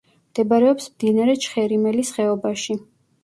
მდებარეობს მდინარე ჩხერიმელის ხეობაში.